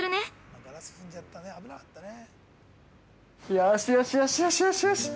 ◆よしよし、よしよしよしよしっ。